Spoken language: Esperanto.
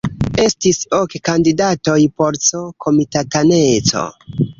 Estis ok kandidatoj por C-komitataneco.